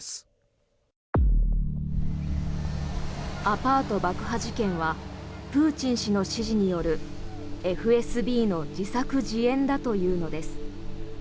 アパート爆破事件はプーチン氏の指示によるＦＳＢの自作自演だというのです。